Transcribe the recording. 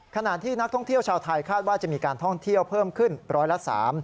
ขณะที่นักท่องเที่ยวชาวไทยคาดว่าจะมีการท่องเที่ยวเพิ่มขึ้นร้อยละ๓